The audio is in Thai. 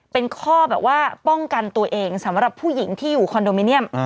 เป็นข้อแบบว่าป้องกันตัวเองสำหรับผู้หญิงที่อยู่คอนโดมิเนียม